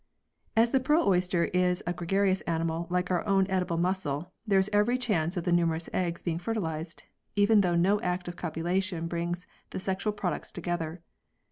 As the pearl oyster is a gregarious animal like our own edible mussel, there is every chance of the numerous eggs being fertilised, even though no act of copulation brings the sexual products together.